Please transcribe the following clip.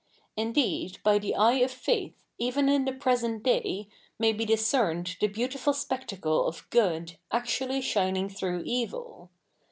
Indeed, by the eye of faith, even in the present day, may be discerned the beautiful spectacle of good actually shining through evil.